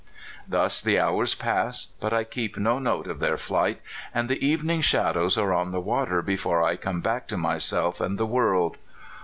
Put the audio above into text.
Thus the hours pass, but I keep no note of their flight, and the evening shad ows are on the water before I come back to myself and the world.